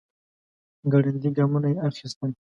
ګړندي ګامونه يې اخيستل.